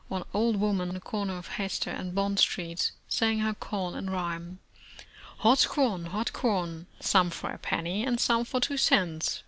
One old woman, on the corner of Hester and Bond Streets, sang her call in rhyme : "Hot corn, hot corn! Some for a penny, and some for two c^'uts.